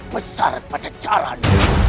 besar pada jalan